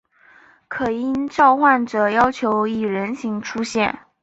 可应召唤者要求以人形出现。